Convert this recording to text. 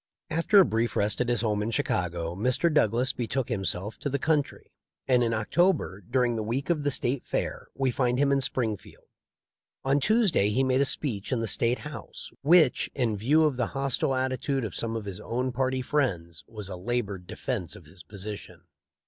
After a brief rest at his home in Chicago Mr. Douglas betook himself to the country, and in Oc tober, during the week of the State Fair, we find him in Springfield. On Tuesday he made a speech in the State House which, in view of the hostile attitude of some of his own party friends, was a labored defense of his position.